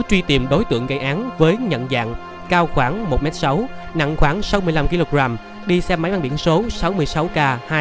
đi tìm đối tượng gây án với nhận dạng cao khoảng một m sáu nặng khoảng sáu mươi năm kg đi xe máy mang biển số sáu mươi sáu k hai mươi tám nghìn bốn trăm ba mươi bốn